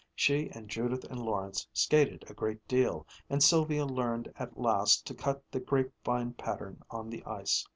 She and Judith and Lawrence skated a great deal, and Sylvia learned at last to cut the grapevine pattern on the ice.